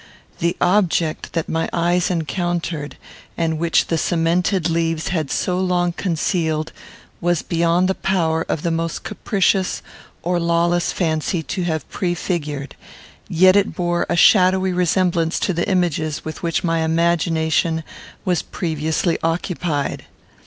The object that my eyes encountered, and which the cemented leaves had so long concealed, was beyond the power of the most capricious or lawless fancy to have prefigured; yet it bore a shadowy resemblance to the images with which my imagination was previously occupied.